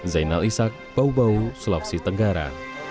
zainal ishak bau bau sulawesi tenggara